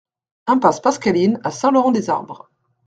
Impasse Pascaline à Saint-Laurent-des-Arbres